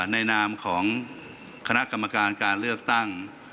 นามของคณะกรรมการการเลือกตั้ง